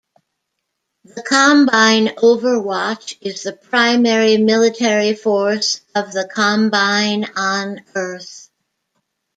The Combine Overwatch is the primary military force of the Combine on Earth.